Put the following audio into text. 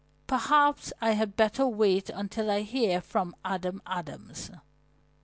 Perhaps I had better wait until I hear from Adam Adams."